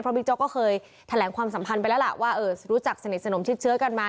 บิ๊กโจ๊กก็เคยแถลงความสัมพันธ์ไปแล้วล่ะว่ารู้จักสนิทสนมชิดเชื้อกันมา